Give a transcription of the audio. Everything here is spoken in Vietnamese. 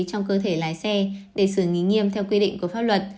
trong cơ thể lái xe để xử lý nghiêm theo quy định của pháp luật